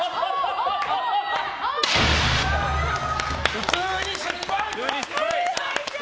普通に失敗！